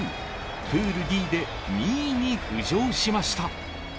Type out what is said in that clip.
プールＤで２位に浮上しました。